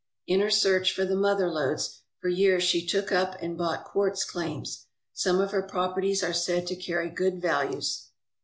In her search for the mother lodes, for years she took up and bought quartz claims. Some of her properties are said to carry good values.